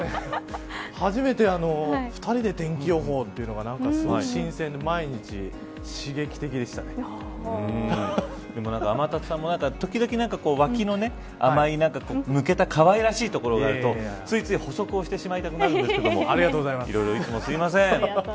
初めて２人で天気予報というのが天達さんも時々、脇のあまい抜けたかわいらしいところがあるとついつい補足をしてしまいたくなるんですけどいろいろ、いつもすいません。